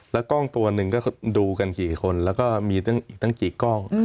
แล้วกล้องตัวหนึ่งก็ดูกันกี่คนแล้วก็มีอีกตั้งกี่กล้อง